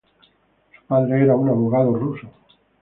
Su padre es un abogado ruso.